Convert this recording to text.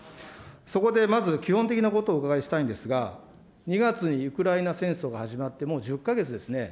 そこでまず、基本的なことをお伺いしたいんですが、２月にウクライナ戦争が始まって、もう１０か月ですね。